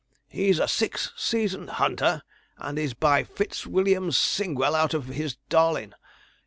"He's a six season hunter, and is by Fitzwilliam's Singwell out of his Darling.